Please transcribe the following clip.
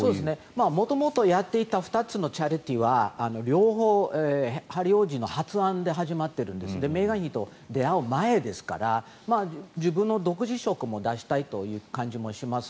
元々やっていた２つのチャリティーは両方ヘンリー王子の発案で始まっていますのでメーガン妃と出会う前ですから自分の独自色も出したいという感じもします。